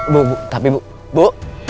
bu tapi bu